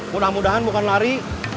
mudah mudahan bukan lari